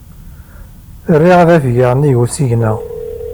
Riɣ ad afgeɣ nnig usigna.